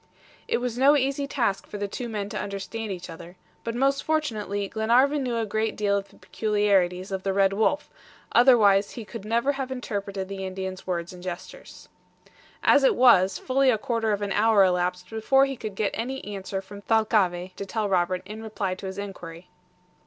It was no easy task for the two men to understand each other, but, most fortunately, Glenarvan knew a great deal of the peculiarities of the red wolf; otherwise he could never have interpreted the Indian's words and gestures. As it was, fully a quarter of an hour elapsed before he could get any answer from Thalcave to tell Robert in reply to his inquiry.